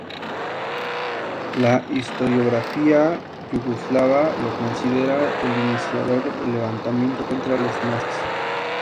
La historiografía yugoslava lo considera el iniciador del levantamiento contra los nazis.